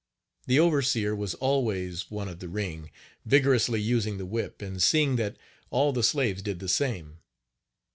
The overseer was always one of the ring, vigorously using the whip, and seeing that all the slaves did the same.